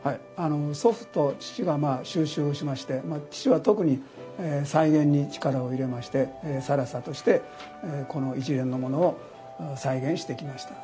祖父と父が収集をしまして父は特に再現に力を入れまして更紗としてこの一連のものを再現してきました。